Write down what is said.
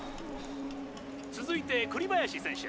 「続いて栗林選手。